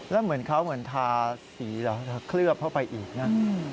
แล้วเขาเหมือนทาสีก็เคลือบเข้าไปอีกนะ